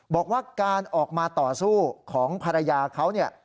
บอกว่าการออกมาต่อสู้ของภรรยาเขาเนี่ย